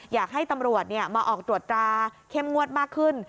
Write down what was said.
อยากให้ตำรวจมาออกตรวจตราเข้มงวดมากขึ้น